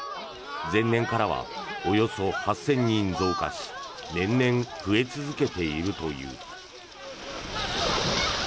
前年からはおよそ８０００人増加し年々、増え続けているという。